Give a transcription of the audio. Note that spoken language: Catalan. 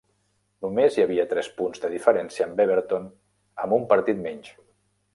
Només hi havia tres punts de diferència amb Everton amb un partit menys.